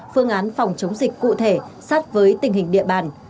phương án phòng chống dịch cụ thể sát với tình hình địa bàn